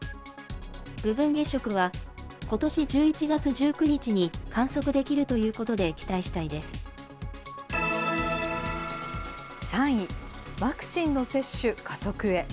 部分月食はことし１１月１９日に観測できるということで期待した３位、ワクチンの接種加速へ。